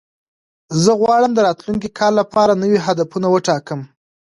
زه غواړم د راتلونکي کال لپاره نوي هدفونه وټاکم.